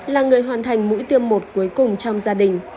là người hoàn thành mũi tiêm một cuối cùng trong gia đình